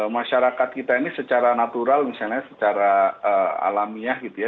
masyarakat kita ini secara natural misalnya secara alamiah gitu ya